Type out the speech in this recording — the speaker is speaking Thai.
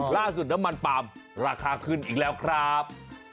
น้ำมันปาล์มราคาขึ้นอีกแล้วครับ